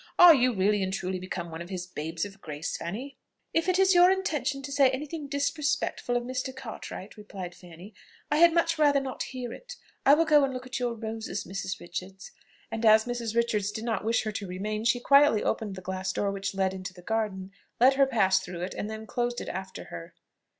Are you really and truly become one of his babes of grace, Fanny?" "If it is your intention to say any thing disrespectful of Mr. Cartwright," replied Fanny, "I had much rather not hear it. I will go and look at your roses, Mrs. Richards;" and, as Mrs. Richards did not wish her to remain, she quietly opened the glass door which led into the garden, let her pass through it, and then closed it after her.